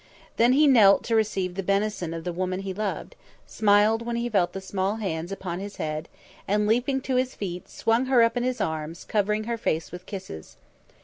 Then he knelt to receive the benison of the woman he loved, smiled when he felt the small hands upon his head and, leaping to his feet, swung her up into his arms, covering her face with kisses.